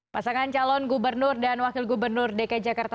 pasangan calon gubernur dan wakil gubernur dki jakarta